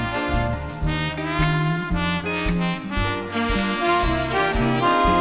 นาลอดมีจงมีสุขใจนาลอดไปนะแต่วันนี้